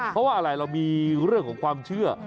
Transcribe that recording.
เพราะว่าอะไรเรามีเรื่องของความเชื่อ